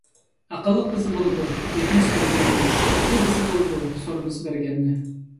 ئەقىللىق دېسە بولىدۇ، ئېيتمىسا بىلگەننى؛ سېخىي دېسە بولىدۇ، سورىمىسا بەرگەننى.